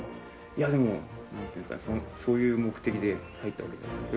いやでもなんていうんですかねそういう目的で入ったわけじゃないので。